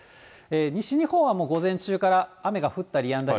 西日本は午前中から雨が降ったりやんだり。